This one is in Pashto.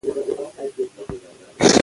زه د نوو شیانو زده کړي ته لېواله يم.